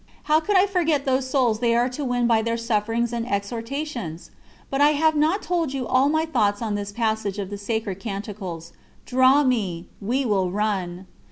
How could I forget those souls they are to win by their sufferings and exhortations? But I have not told you all my thoughts on this passage of the Sacred Canticles: "Draw me we will run!"